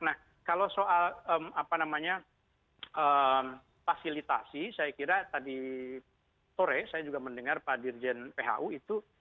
nah kalau soal apa namanya fasilitasi saya kira tadi sore saya juga mendengar pak dirjen phu itu